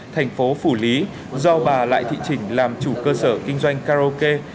thành phố phủ lý do bà lại thị chỉnh làm chủ cơ sở kinh doanh karaoke